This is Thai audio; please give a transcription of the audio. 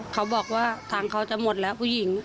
เขาบอกว่าทางเขาจะหมดแล้วผู้หญิง